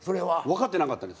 分かってなかったん？